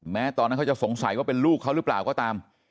แม้ตอนนั้นเขาจะสงสัยว่าเป็นลูกเขาหรือเปล่าก็ตาม